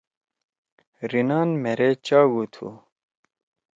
رینان مھیرے چاگُو تُھو۔